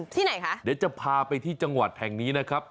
ไหนคะเดี๋ยวจะพาไปที่จังหวัดแห่งนี้นะครับ